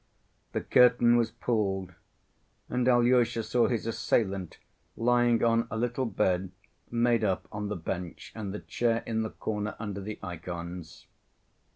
The curtain was pulled, and Alyosha saw his assailant lying on a little bed made up on the bench and the chair in the corner under the ikons.